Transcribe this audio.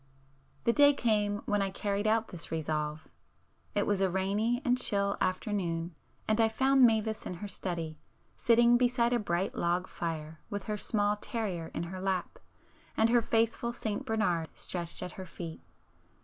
The day came when I carried out this resolve. It was a rainy and chill afternoon, and I found Mavis in her study, sitting beside a bright log fire with her small terrier in her lap and her faithful St Bernard stretched at her feet.